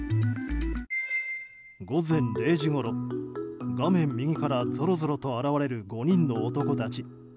午前０時ごろ、画面右からぞろぞろと現れる５人の男たち。